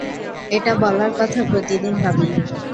এটা বলার কথা প্রতিদিন ভাবি।